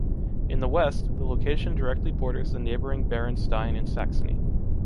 In the west, the location directly borders the neighboring Bärenstein in Saxony.